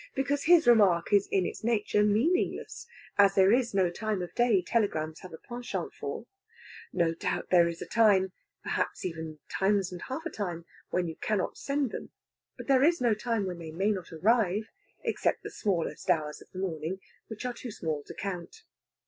Because his remark is in its nature meaningless, as there is no time of day telegrams have a penchant for. No doubt there is a time perhaps even times and half a time when you cannot send them. But there is no time when they may not arrive. Except the smallest hours of the morning, which are too small to count.